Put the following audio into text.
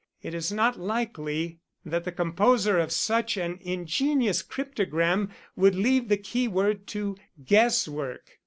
It is not likely that the composer of such an ingenious cryptogram would leave the keyword to guesswork.